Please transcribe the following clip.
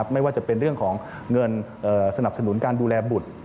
ไม่ว่าจะเป็นเรื่องของเงินสนับสนุนการดูแลบุตร